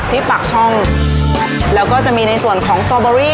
นุ่มนิดนึงแล้วผสมกับกลิ่นของสเตอร์เบอร์รี่